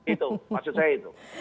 itu maksud saya itu